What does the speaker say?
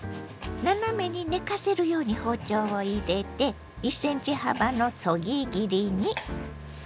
斜めに寝かせるように包丁を入れて１ｃｍ幅のそぎ切りに。